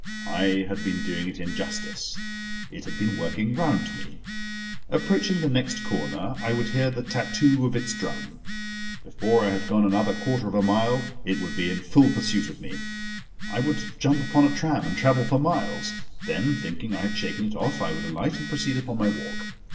I had been doing it injustice: it had been working round me. Approaching the next corner, I would hear the tattoo of its drum. Before I had gone another quarter of a mile it would be in full pursuit of me. I would jump upon a tram, and travel for miles. Then, thinking I had shaken it off, I would alight and proceed upon my walk.